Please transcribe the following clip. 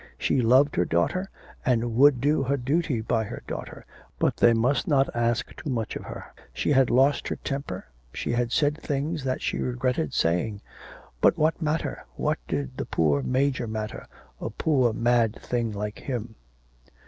She loved her daughter, and would do her duty by her daughter, but they must not ask too much of her.... She had lost her temper, she had said things that she regretted saying; but what matter, what did the poor Major matter a poor, mad thing like him?